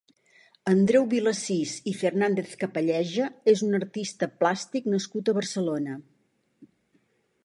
Andreu Vilasís i Fernàndez-Capalleja és un artista plàstic nascut a Barcelona.